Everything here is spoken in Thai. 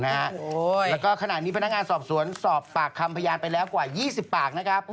แล้วก็ขณะนี้พนักงานสอบสวนสอบปากคำพยานไปแล้วกว่า๒๐ปากนะครับ